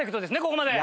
ここまで。